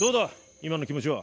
今の気持ちは。